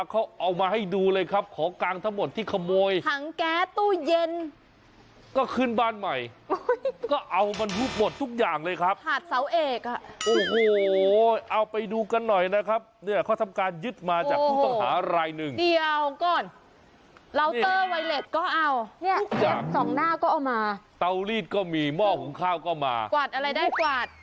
เตารีดก็มีหม้อของข้าวก็มากวาดอะไรได้กวาด